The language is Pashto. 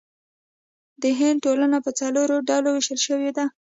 د هند ټولنه په څلورو ډلو ویشل شوې وه.